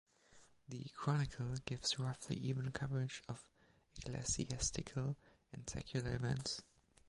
The "Chronicle" gives roughly even coverage of ecclesiastical and secular events.